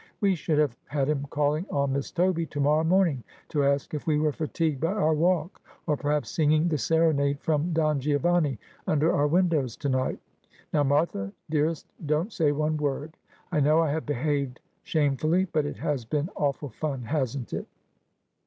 ' We should have had him calling on Miss Toby to morrow morning to ask if we were fatigued by our walk, or perhaps singing the serenade from Don Giovanni under our windows to night. Now, Martha dearest, don't say one word ; I know I have behaved shamefully, but it has been awful fun, hasn't it